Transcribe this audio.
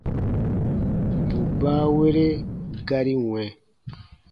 Bù baawere gari wɛ̃.